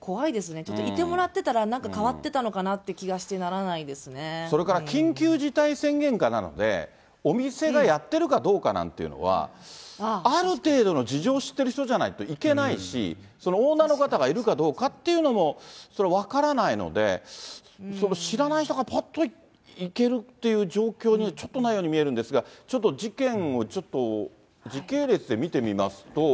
ちょっといてもらってたら、なんか変わってたのかなって気がしてそれから緊急事態宣言下なので、お店がやっているかどうかなんというのは、ある程度の事情を知ってる人じゃないと行けないし、オーナーの方がいるかどうかというのも分からないので、知らない人がぽっと行けるっていう状況にはちょっとないように見えるんですが、ちょっと事件を時系列で見てみますと。